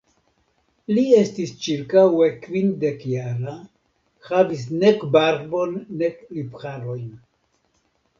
Li estis ĉirkaŭe kvindekjara, havis nek barbon nek lipharojn.